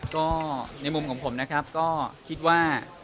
ก็ในมุมของผมนะครับก็คิดว่า